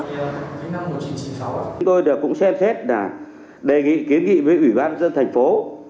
chúng tôi cũng xem xét đề nghị kiến nghị với ủy ban dân thành phố